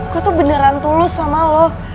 gue tuh beneran tulus sama lo